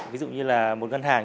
ví dụ như là một ngân hàng